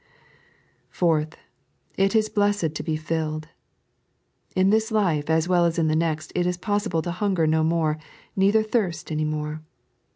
Fourth, it is blessed to be filled. In this life, as well as in the next, it is possible to hunger no more, neither thirst; any more.